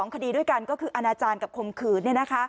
คดีด้วยกันก็คืออนาจารย์กับข่มขืน